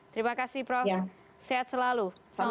terima kasih prof sehat selalu